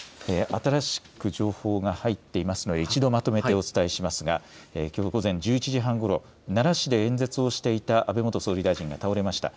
新しく情報が入っていますので１度、まとめてお伝えしますがきょう午前１１時半ごろ、奈良市で演説をしていた安倍元総理大臣が倒れました。